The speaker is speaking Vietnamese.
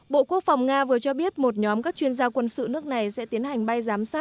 bộ quốc phòng nga vừa cho biết một nhóm các chuyên gia quân sự nước này sẽ tiến hành bay giám sát